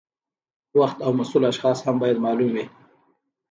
وخت او مسؤل اشخاص هم باید معلوم وي.